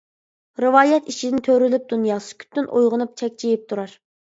رىۋايەت ئىچىدىن تۆرىلىپ دۇنيا، سۈكۈتتىن ئويغىنىپ چەكچىيىپ تۇرار.